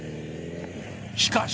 しかし。